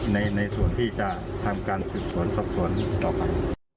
ในส่วนที่จะทำการศึกษวนทรัพย์ต่อไป